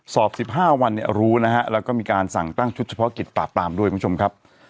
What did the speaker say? สอบ๑๕วันเนี่ยรู้นะฮะแล้วก็มีการสั่งตั้งชุดเฉพาะกิจปราบปรามด้วยคุณผู้ชมครับ